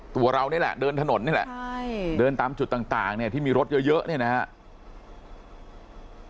ตัวเรานี่แหละเดินถนนนี่แหละเดินตามจุดต่างเนี่ยที่มีรถเยอะเนี่ยนะครับ